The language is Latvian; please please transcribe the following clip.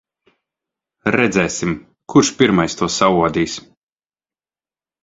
Redzēsim, kurš pirmais to saodīs.